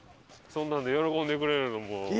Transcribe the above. そんなんで喜んでくれるのもう。